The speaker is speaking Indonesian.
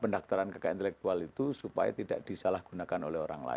pendaftaran kekayaan intelektual itu supaya tidak disalahgunakan oleh orang lain